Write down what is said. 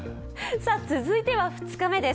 続いては２日目です。